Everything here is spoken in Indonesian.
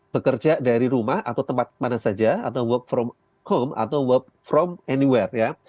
bekerja dari rumah atau tempat mana saja atau work from home atau work from anywhere ya